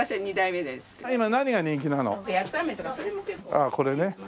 ああこれね。